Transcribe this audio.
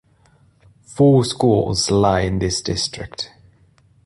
Four schools lie in this district.